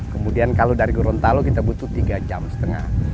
kemudian kalau dari gorontalo kita butuh tiga jam setengah